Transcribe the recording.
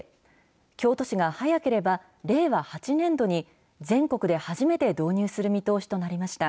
京都市が、早ければ令和８年度に全国で初めて導入する見通しとなりました。